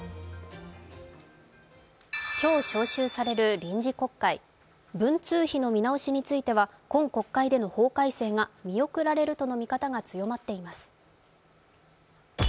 今日、召集される臨時国会文通費の見直しについては今国会での法改正が見送られるとの見方が強まっています。